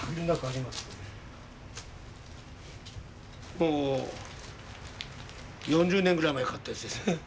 もう４０年ぐらい前に買ったやつですよね。